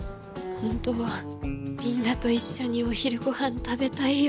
ほんとはみんなと一緒にお昼ごはん食べたいよ。